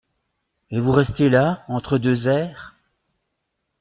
Et vous restez là, entre deux airs ?…